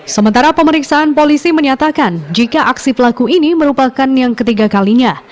sementara pemeriksaan polisi menyatakan jika aksi pelaku ini merupakan yang ketiga kalinya